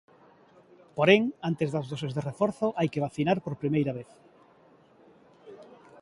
Porén, antes das doses de reforzo hai que vacinar por primeira vez.